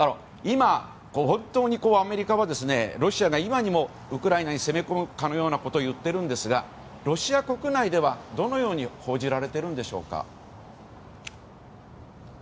今、本当にアメリカはロシアが今にもウクライナに攻め込むかのようなことを言ってるんですがロシア国内ではどのように報じられているのでしょうか。